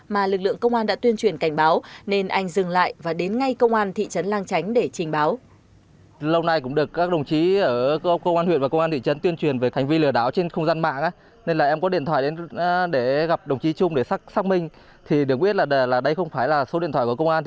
mà lực lượng công an đã tuyên truyền cảnh báo nên anh dừng lại và đến ngay công an thị trấn lang chánh để trình báo